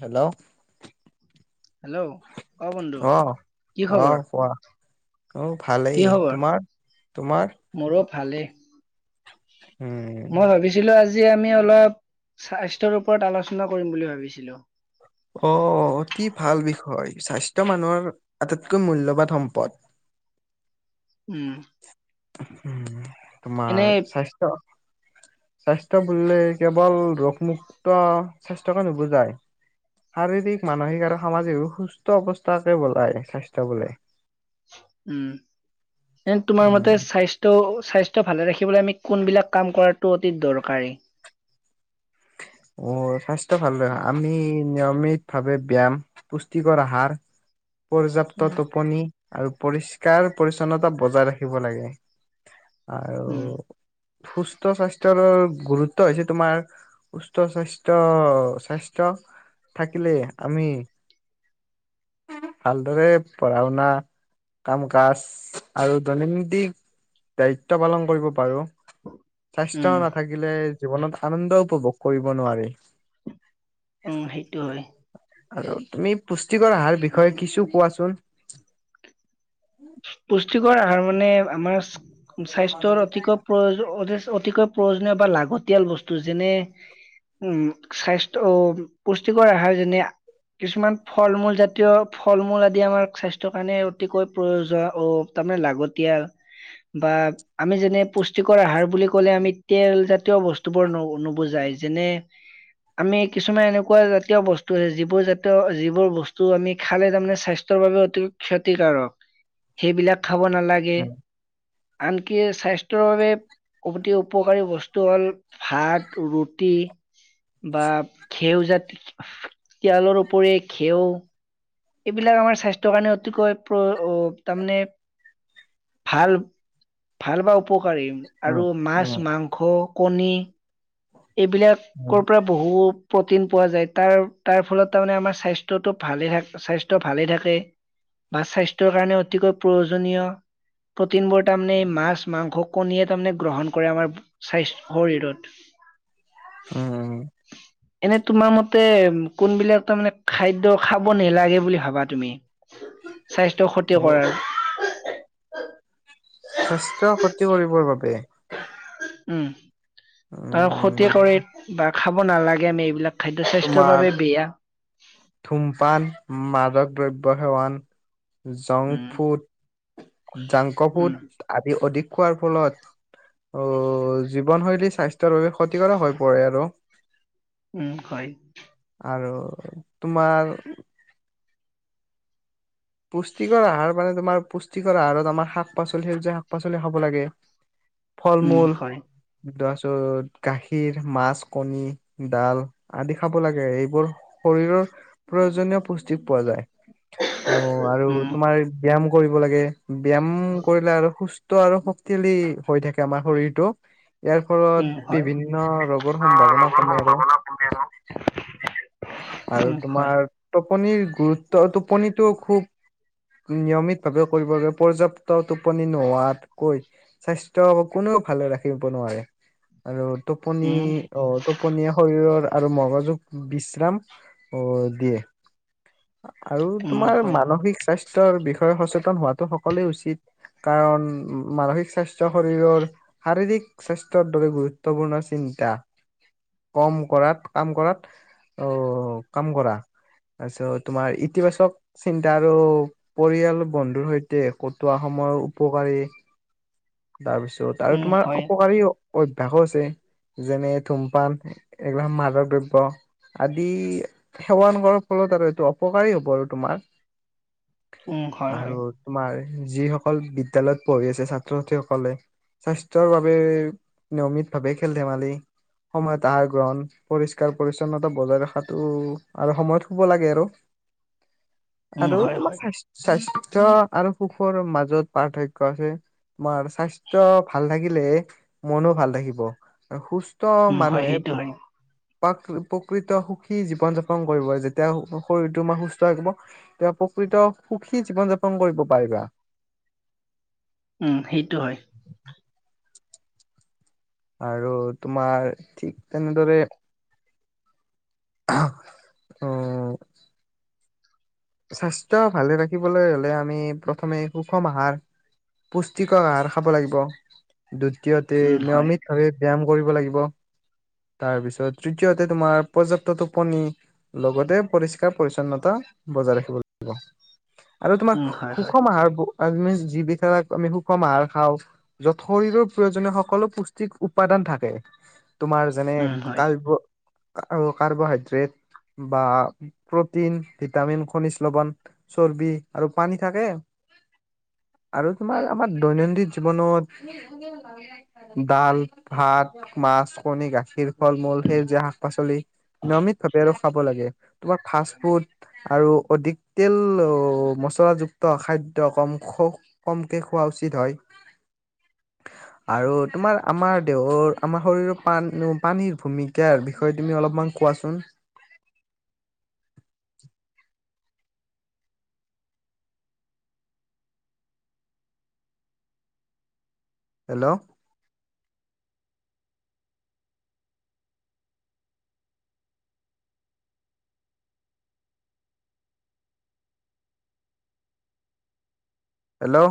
Hello? Hello অ বন্ধু অ', কি খবৰ অ', কোৱা? অ', কি ভালেই খবৰ তোমাৰ তোমাৰ? মোৰো ভালে। উম মই ভাবিছিলো আজি আমি অলপ স্বাস্থ্যৰ ওপৰত আলোচনা কৰিম বুলি ভাবিছিলো। অ', অতি ভাল বিষয়। স্বাস্থ্য মানুহৰ আটাইতকৈ মূল্যবান সম্পদ। উম। উম, এনে তোমাৰ স্বাস্থ্য স্বাস্থ্য বুলিলে কেৱল ৰোগমুক্ত স্বাস্থ্যকে নুবুজায়। শাৰীৰিক মানসিক আৰু সামাজিক সুস্থ অৱস্থাকে বলায় স্বাস্থ্য বোলে। উম, এনে তোমাৰ মতে উম স্বাস্থ্য ত' স্বাস্থ্য ভালে ৰাখিবলৈ আমি কোনবিলাক কাম কৰাটো অতি দৰকাৰী? অ', স্বাস্থ্য ভাল আমি নিয়মিতভাৱে ব্যায়াম, পুষ্টিকৰ আহাৰ পৰ্যাপ্ত উম টোপনি আৰু পৰিস্কাৰ পৰিচ্ছন্নতা বজাই ৰাখিব লাগে। আৰ উম। সুস্থ স্বাস্থ্যৰ গুৰুত্ব হৈছে তোমাৰ সুষ্ট স্বাস্থ্য স্বাস্থ্য থাকিলে আমি ভালদৰে পঢ়া-শুনা কাম কাজ আৰু দৈনন্দিক দায়িত্ব পালন কৰিব পাৰো। স্বাস্থ্য উম নাথাকিলে জীৱনত আনন্দ উপভোগ কৰিব নোৱাৰি। উম সেইটো হয়। আৰু তুমি পুষ্টিকৰ আহাৰ বিষয়ে কিছু কোৱাচোন? পুষ্টিকৰ আহাৰ মানে আমাৰ স্বাস্থ্যৰ অতিকৈ প্ৰয় অতিছ অতিকৈ প্ৰয়োজনীয় বা লাগতিয়াল বস্তু যেনে উম স্বাস্থ অ পুষ্টিকৰ আহাৰ যেনে কিছুমান ফল মূল জাতীয় ফল মূল আদি আমাৰ স্বাস্থৰ কাৰণে অতিকৈ প্ৰয়োজন অ তাৰমানে লাগতিয়াল বা আমি যেনে পুষ্টিকৰ আহাৰ বুলি ক'লে আমি তেলজাতীয় বস্তুবোৰ ন নুবুজাই যেনে আমি কিছুমান এনেকুৱা জাতীয় বস্তু আছে যিবোৰ জাতীয় যিবোৰ বস্তু আমি খালে তাৰমানে স্বাস্থ তৰ বাবে অতি ক্ষতিকাৰক। সেইবিলাক খাব নালাগে আনকি স্বাস্থ্যৰ বাবে উবটি উপকাৰী বস্তু হ'ল ভাত, ৰুটি বা ঘেউজাত তিয়লৰ উপৰি ঘেউ। এইবিলাক আমাৰ স্বাস্থ্যৰ কাৰণে অতিকৈ প্ৰ তাৰমানে ভাল ভাল বা উপকাৰী আৰু মাছ, উম মাংস, কণী এইবিলাক কৰ পৰা বহু প্ৰটিন পোৱা যায় তাৰ তাৰ ফলত তাৰমানে আমাৰ স্বাস্থ্যটো ভালে থাক স্বাস্থ্য ভালে থাকে বা স্বাস্থ্যৰ কাৰণে অতিকৈ প্ৰয়োজনীয়। প্ৰটিনবোৰ তাৰমানে মাছ মাংস কণীয়ে তাৰমানে গ্ৰহণ কৰে আমাৰ স্বাস্থ শৰীৰত এনে তোমাৰ মতে কোনবিলাক তাৰমানে খাদ্য খাব নালাগে বুলি ভাবা তুমি? স্বাস্থ্য ক্ষতি কৰাৰ স্বাস্থ্য ক্ষতি কৰিবৰ বাবে উম তাৰ ক্ষতিয় উম কৰে বা খাব নালাগে আমি এইবিলাক। খাদ্য স্বাস্থ্যৰ বাবে বেয়া। থুমপান মাদক দ্ৰব্য সেৱন junk um food junk food um আদি অধিক খোৱাৰ ফলত অ জীৱনশৈলী স্বাস্থ্যৰ বাবে ক্ষতি কৰা হৈ পৰে আৰু। উম হয়। আৰু তোমাৰ পুষ্টিকৰ আহাৰ মানে তোমাৰ পুষ্টিকৰ আহৰত আমাৰ শাক-পাচলি সেউজীয়া শাক-পাচলি খাব লাগে। [inaudible] ফল-মূল হয় দাছত গাখীৰ, মাছ, কণী, ডাল আদি খাব লাগে এইবোৰ শৰীৰৰ প্ৰয়োজনীয় পুষ্টি পোৱা যায়। অ আৰু উম তোমাৰ ব্যয়াম কৰিব লাগে, ব্যয়াম কৰিলে আৰু সুস্থ আৰু শক্তিশালী হৈ থাকে আমাৰ শৰীৰটো। ইয়াৰ ফলত উম হয় বিভিন্ন ৰোগৰ সম্ভাৱনা কমে আৰু। সম্ভাৱনা কমে আৰু উম হয় তোমাৰ টোপনিৰ গুৰুত্ব টোপনিটো খুব নিয়মিত ভাৱে কৰিব পৰ্যাপ্ত টোপনি নোহোৱাতকৈ। স্বাস্থ্য কোনেও ভালে ৰাখিব নোৱাৰে, আৰু টোপনি উম অ', - টোপনিয় শৰীৰৰ আৰু মগজুক বিশ্ৰাম, দিয়ে। আৰু উম তোমাৰ হয় মানসিক স্বাস্থ্যৰ বিষয়ে সচেতন হোৱাতটো সকলোৱে উচিত। কাৰণ মানসিক স্বাস্থ্য শৰীৰৰ শাৰীৰিক, স্বাস্থ্যৰ দৰে গুৰুত্বপূৰ্ণ চিন্তা। কম কৰাত, কাম কৰাত। অ', কাম কৰা, তাৰ পাছত তোমাৰ ইতিবাচক চিন্তা আৰু, পৰিয়াল বন্ধুৰ সৈতে কটোৱা সময়ৰ উপকাৰী। তাৰপিছত আৰু উম তোমাৰ হয় অপকাৰী অভ্যাসো আছে, যেনে-ধূমপান এইগিলা মাদক দ্ৰব্য। আদি, সেৱন কৰাৰ ফলত আৰু এইটো অপকাৰেই হ'ব আৰু তোমাৰ। উম হয় হয় আৰু তোমাৰ যিসকল বিদ্যয়ালয়ত পঢ়ি আছে ছাত্ৰ- ছাত্ৰীসকলে। স্বাস্থ্যৰ বাবে, নিয়মিত ভাৱে খেল-ধেমালি। সময়ত আহাৰ গ্ৰহণ পৰিষ্কাৰ- পৰিচ্ছন্নতা বজাই ৰখাতটো আৰু সময়ত হ'ব লাগে আৰু। উম আৰু হয় তোমাৰ হয় স্বাস্থ্যয় আৰু সুখৰ মাজত পাৰ্থক্য আছে। তোমাৰ স্বাস্থ্য ভাল থাকিলে, মনো ভাল থাকিব, আৰু সুস্থ ত' উম হয় মানুহে সেইটো হয় প্ৰাক- প্ৰকৃত সুখী জীৱন যাপন কৰিব যেতিয়া শৰীৰটো আমাৰ সুস্থ থাকিব। তেওঁ প্ৰকৃত সুখী জীৱন যাপন কৰিব পাৰিবা। উম, সেইটো হয়। আৰু তোমাৰ, ঠিক তেনেদৰে অ'। স্বাস্থ্য ভালে ৰাখিবলৈ হলে আমি প্ৰথমে সুষম আহাৰ পুষ্টিকৰ আহাৰ খাব লাগিব, দ্বিতীয়তে উম হয় নিয়মিতভাৱে ব্যায়াম কৰিব লাগিব। তাৰপিছত তৃতীয়তে তোমাৰ পৰ্যাপ্ত টোপনি। লগতে পৰিষ্কাৰ-পৰিচ্ছন্নতা, বজাই ৰাখিব লাগিব। আৰু উম তোমাৰ হয় হয় সুষম আহাৰ যিবিকাক আমি সুষম আহাৰ খাওঁ। য'ত শৰীৰৰ প্ৰয়োজনীয় সকলো পুষ্টিক উপাদান থাকে, তোমাৰ যেনে- উম হয় কাৰ্ব, কাৰ্বহাইড্ৰেট। বা, প্ৰটিন ভিটামিন খনিজ লবণ। চৰ্বি আৰু পানী থাকে। আৰু তোমাৰ আমাৰ দৈনন্দিন জীৱনত। ডাল, ভাত, মাছ, কণী, গা খীৰ, ফল-মূল, সেউজীয়া শাক-পাচলি, নিয়মিত ভাৱে আৰু খাব লাগে তোমাৰ ফাষ্ট ফুড আৰু অধিক তেল মচলাযুক্ত খাদ্য কম খ কমকে খোৱা উচিত হয়। [inaudible] আৰু তোমাৰ আমাৰ দেহৰ আমাৰ শৰীৰৰ পাণ পানীৰ ভূমিকাৰ বিষয়ে তুমি অলপমান কোৱাচোন? হেল্ল'? হেল্ল'?